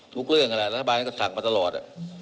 ทุกเรื่องละรัฐบาลก็สั่งมาตลอด